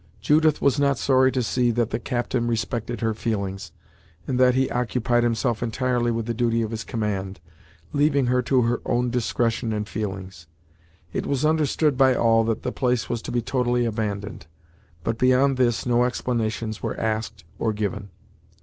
Judith was not sorry to see that the captain respected her feelings, and that he occupied himself entirely with the duty of his command, leaving her to her own discretion and feelings. It was understood by all that the place was to be totally abandoned; but beyond this no explanations were asked or given.